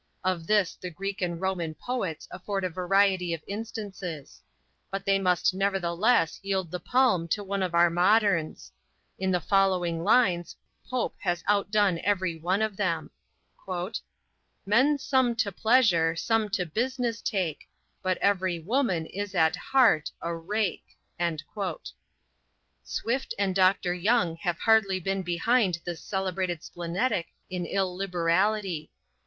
Of this the Greek and Roman poets afford a variety of instances; but they must nevertheless yield the palm to some of our moderns. In the following lines, Pope has outdone every one of them: "Men some to pleasure, some to business take; But every woman is at heart a rake." Swift and Dr Young have hardly been behind this celebrated splenetic in illiberality.